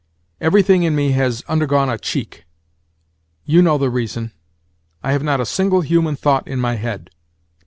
Everything in me has undergone a cheek. You know the reason. I have not a single human thought in my head.